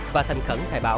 và thành khẩn thay báo